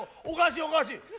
おかしいおかしい。